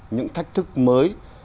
những thách thức mới